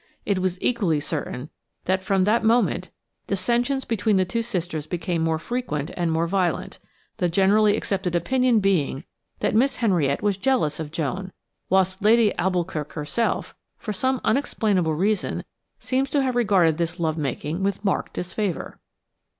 It was equally certain that from that moment dissensions between the two sisters became more frequent and more violent; the generally accepted opinion being that Miss Henriette was jealous of Joan, whilst Lady d'Alboukirk herself, for some unexplainable reason, seems to have regarded this love making with marked disfavour.